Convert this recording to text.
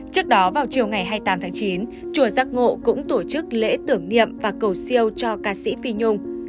trước đó vào chiều ngày hai mươi tám tháng chín chùa giác ngộ cũng tổ chức lễ tưởng niệm và cầu siêu cho ca sĩ phi nhung